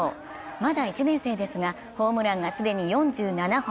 まだ１年生ですが、ホームランが既に４７本。